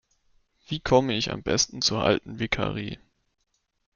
Wie komme ich am Besten zur alten Vikarie?